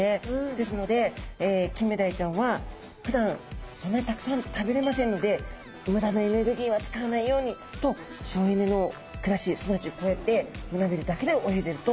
ですのでキンメダイちゃんはふだんそんなにたくさん食べれませんので無駄なエネルギーは使わないようにと省エネの暮らしすなわちこうやって胸びれだけで泳いでると考えられてるんですね。